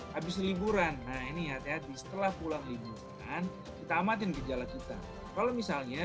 habis liburan nah ini hati hati setelah pulang liburan kita amatin gejala kita kalau misalnya